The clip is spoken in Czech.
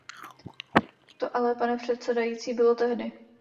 To ale, pane předsedající, bylo tehdy.